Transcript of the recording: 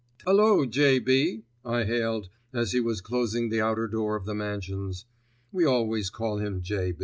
"Hullo, J.B.," I hailed as he was closing the outer door of the mansions. We always call him "J.